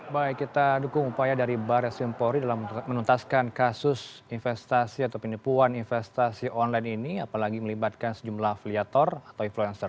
baik kita dukung upaya dari baris krimpori dalam menuntaskan kasus investasi atau penipuan investasi online ini apalagi melibatkan sejumlah afiliator atau influencer